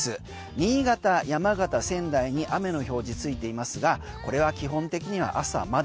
新潟、山形、仙台に雨の表示ついていますがこれは基本的には朝まで。